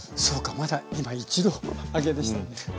まだ今１度揚げでしたね。